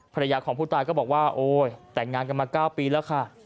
ภรรยาของผู้ตายก็บอกว่าโอ้ยแต่งงานกันมา๙ปีแล้วค่ะ